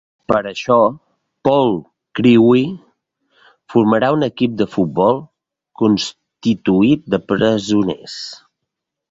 Per això, Paul Crewe formarà un equip de futbol constituït de presoners.